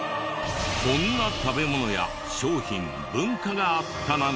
こんな食べ物や商品文化があったなんて。